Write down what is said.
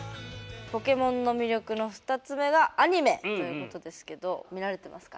ポケモンの魅力の２つ目がアニメということですけど見られてますか？